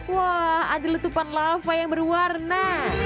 wah ada letupan lava yang berwarna